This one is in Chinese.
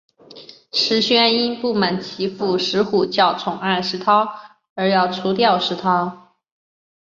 石宣因不满其父石虎较宠爱石韬而要除掉石韬。